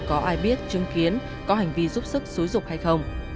có ai biết chứng kiến có hành vi giúp sức xúi dục hay không